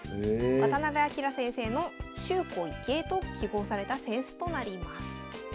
渡辺明先生の「修己以敬」と揮ごうされた扇子となります。